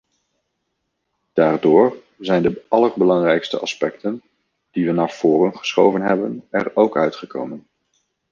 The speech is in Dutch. Daardoor zijn de allerbelangrijkste aspecten die we naar voor geschoven hebben er ook uitgekomen.